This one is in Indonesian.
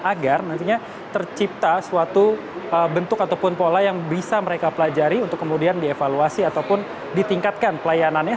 agar nantinya tercipta suatu bentuk ataupun pola yang bisa mereka pelajari untuk kemudian dievaluasi ataupun ditingkatkan pelayanannya